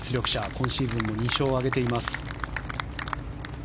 今シーズン２勝を挙げています。